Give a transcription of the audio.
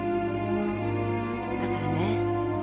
だからね